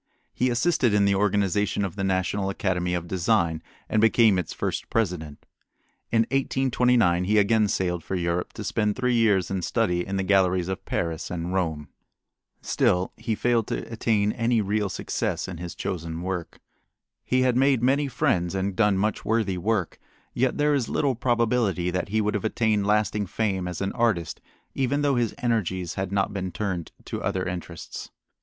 He assisted in the organization of the National Academy of Design and became its first president. In 1829 he again sailed for Europe to spend three years in study in the galleries of Paris and Rome. Still he failed to attain any real success in his chosen work. He had made many friends and done much worthy work, yet there is little probability that he would have attained lasting fame as an artist even though his energies had not been turned to other interests.